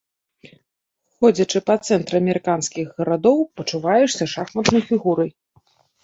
Ходзячы па цэнтры амерыканскіх гарадоў, пачуваешся шахматнай фігурай.